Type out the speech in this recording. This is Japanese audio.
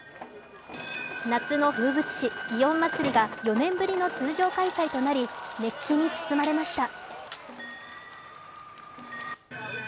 夏の風物詩、祇園祭が４年ぶりの通常開催となり熱気に包まれました。